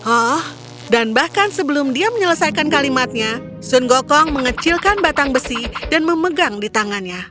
oh dan bahkan sebelum dia menyelesaikan kalimatnya sun gokong mengecilkan batang besi dan memegang di tangannya